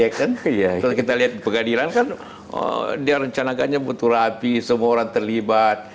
kalau kita lihat kegadiran kan dia rencanakannya betul rapi semua orang terlibat